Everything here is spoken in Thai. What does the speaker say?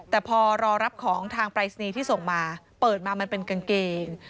แต่พอรอรับของทางปรายศนีย์ที่ส่งมาเปิดมามันเป็นกางเกง